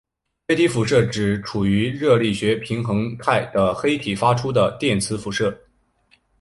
黑体辐射指处于热力学平衡态的黑体发出的电磁辐射。